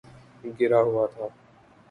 گرا ہوا تھا